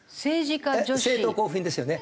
政党交付金ですよね？